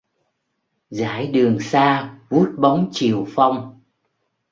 Dãi đường xa vút bóng chiều phong